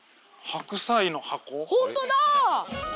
ホントだ！